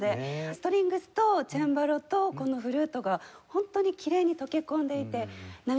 ストリングスとチェンバロとこのフルートがホントにきれいに溶け込んでいて涙が出ちゃいそうでした。